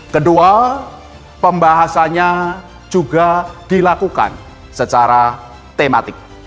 kedua pembahasannya juga dilakukan secara tematik